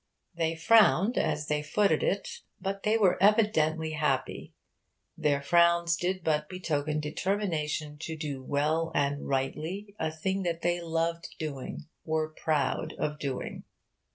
They frowned as they footed it, but they were evidently happy. Their frowns did but betoken determination to do well and rightly a thing that they loved doing were proud of doing.